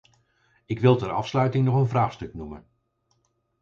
Ik wil ter afsluiting nog een vraagstuk noemen.